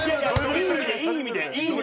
いい意味でいい意味で！